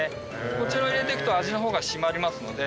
こちらを入れていくと味の方が締まりますので。